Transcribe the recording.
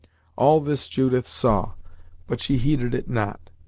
All this Judith saw, but she heeded it not.